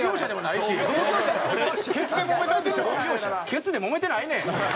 ケツで揉めてないねん！